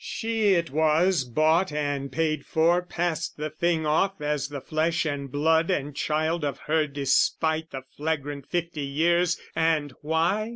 She it was, bought and paid for, passed the thing Off as the flesh and blood and child of her Despite the flagrant fifty years, and why?